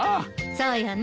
そうよね。